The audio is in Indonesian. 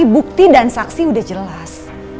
bukti dan saksi sudah jelas